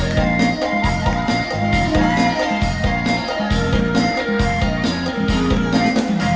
ไม่แพงหรอกพี่